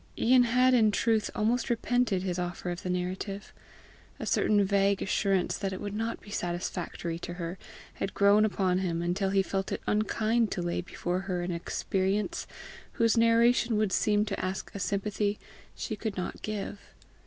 Ian had in truth almost repented his offer of the narrative: a certain vague assurance that it would not be satisfactory to her, had grown upon him until he felt it unkind to lay before her an experience whose narration would seem to ask a sympathy she could not give.